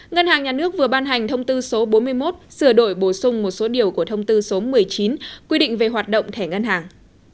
ngân hàng nhà nước vừa ban hành thông tư số bốn mươi một sửa đổi bổ sung một số điều của thông tư số một mươi chín quy định về hoạt động thẻ ngân hàng